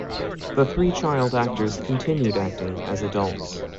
The three child actors continued acting as adults.